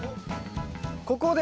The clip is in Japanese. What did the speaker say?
ここで。